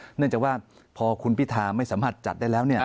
เนื่องจากว่าพอคุณพิธาไม่สามารถจัดได้แล้ว